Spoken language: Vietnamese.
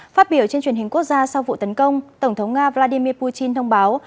phát biểu trên truyền hình quốc gia sau vụ tấn công tổng thống nga vladimir putin thông báo